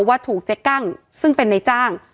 ว่าถูกเจ๊กั้งซึ่งเป็นในจ้าง